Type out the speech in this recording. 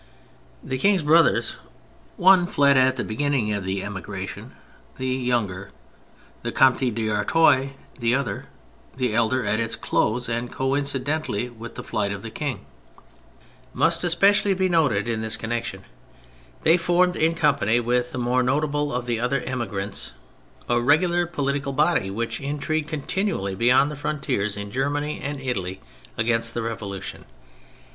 The King's brothers (one fled at the beginning of the emigration, the younger, the Comte d'Artois; the other, the elder, at its close, and coincidently with the flight of the King) must especially be noted in this connection; they formed in company with the more notable of the other emigrants a regular political body, which intrigued continually beyond the frontiers, in Germany and Italy, against the Revolution.